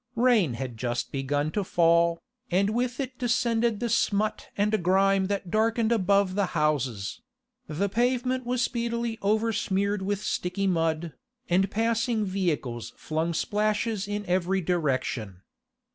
Rain had just begun to fall, and with it descended the smut and grime that darkened above the houses; the pavement was speedily over smeared with sticky mud, and passing vehicles flung splashes in every direction.